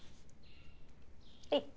はい。